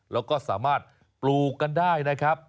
แล้วก็สามารถปลูกกันได้นะครับ